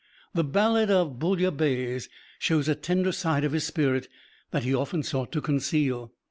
The "Ballad of Boullabaisse" shows a tender side of his spirit that he often sought to conceal.